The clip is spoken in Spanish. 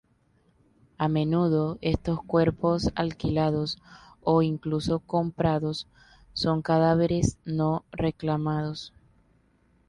A menudo, estos cuerpos alquilados —o incluso comprados— son cadáveres no reclamados.